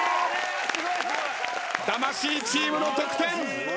魂チームの得点。